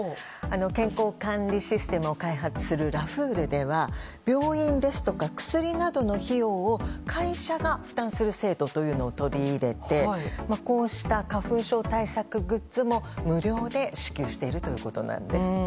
健康管理システムを開発するラフールでは病院ですとか薬などの費用を会社が負担する制度を取り入れてこうした花粉症対策グッズも無料で支給しているということなんです。